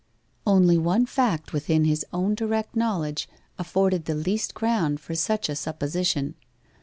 Only one fact within his own direct knowledge afforded the least ground for such a supposition.